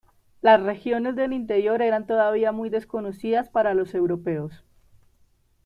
Las regiones del interior eran todavía muy desconocidas para los europeos.